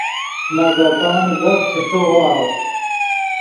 نے گپن، گپ چے ݯیغواؤ